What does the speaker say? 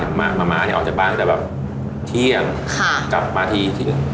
แม่งมมาอีกตั้งแต่แบบกลับมาทีหนึ่ง